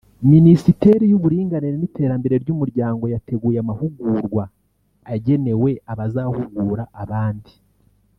Minisiteri y’Uburinganire n’Iterambere ry’Umuryango yateguye amahugurwa agenewe abazahugura abandi